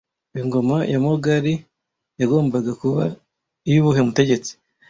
Ingoma ya Mogali yagombaga kuba iy' uwuhe mutegetsi